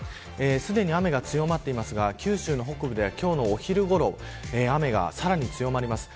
すでに雨が強まっていますが九州の北部では今日の昼ごろ雨がさらに強まります。